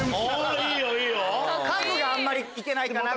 数があんまりいけないかなと。